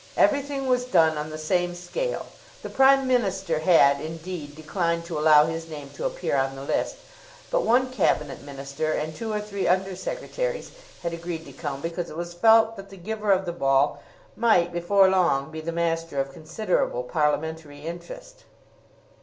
Everything was done on the same scale. The Prime Minister had indeed declined to allow his name to appear on the list; but one Cabinet Minister and two or three under secretaries had agreed to come because it was felt that the giver of the ball might before long be the master of considerable parliamentary interest.